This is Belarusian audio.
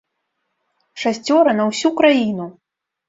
Шасцёра на ўсю краіну!